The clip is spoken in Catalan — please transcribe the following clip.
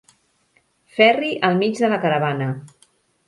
Ferri al mig de la caravana.